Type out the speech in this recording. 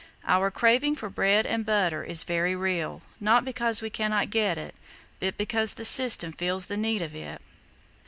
Our craving for bread and butter is very real, not because we cannot get it, but because the system feels the need of it."